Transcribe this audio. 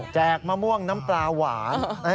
มะม่วงน้ำปลาหวาน